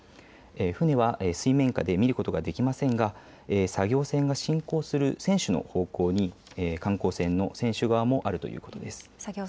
船は水面下で見ることができませんが、作業船が進行する船首の方向に観光船の船首側もあるということです。